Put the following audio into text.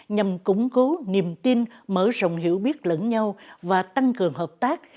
nhằm củng cố niềm tin mở rộng hiểu biết lẫn nhau và tăng cường hợp tác